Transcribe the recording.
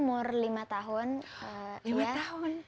umur lima tahun